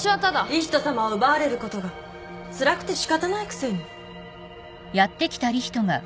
理人さまを奪われることがつらくて仕方ないくせに。